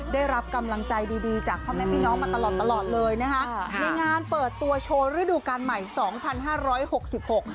ได้รับกำลังใจดีดีจากพ่อแม่พี่น้องมาตลอดตลอดเลยนะคะในงานเปิดตัวโชว์ฤดูการใหม่สองพันห้าร้อยหกสิบหก